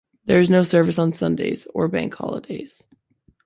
There is no service on Sundays or Bank Holidays.